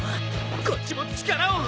こっちも力を！